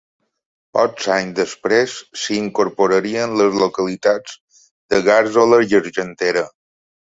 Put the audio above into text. Pocs anys després s'hi incorporarien les localitats de Gàrzola i Argentera.